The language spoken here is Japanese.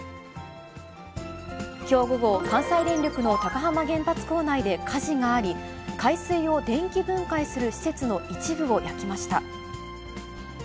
きょう午後、関西電力の高浜原発構内で火事があり、海水を電気分解する施設の一部を焼きました。